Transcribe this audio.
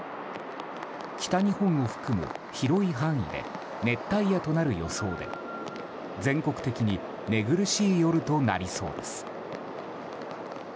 北日本を含む広い範囲で熱帯夜となる予想で全国的に寝苦しい夜となりそうです。